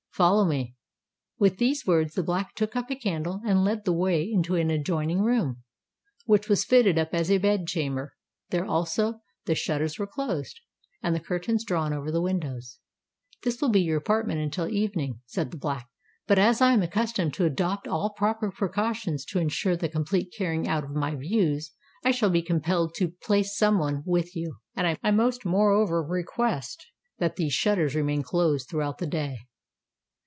Follow me." With these words the Black took up a candle and led the way into an adjoining room, which was fitted up as a bed chamber. There also the shutters were closed, and the curtains drawn over the windows. "This will be your apartment until the evening," said the Black: "but as I am accustomed to adopt all proper precautions to ensure the complete carrying out of my views, I shall be compelled to place some one with you, and I most moreover request that those shutters remain closed throughout the day."